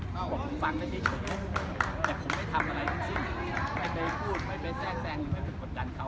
ผมฟังได้ดีแต่ผมไม่ทำอะไรจริงไม่ไปพูดไม่ไปแทรกแทรกไม่ไปกดดันเขา